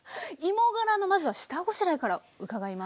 芋がらのまずは下ごしらえから伺います。